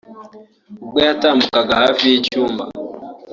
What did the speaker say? ubwo yatambukaga hafi y’icyumba